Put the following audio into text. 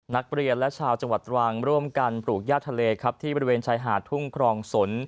นักเรียนและชาวจังหวัดตรังร่วมกันปลูกย่าทะเลครับที่บริเวณชายหาดทุ่งครองสน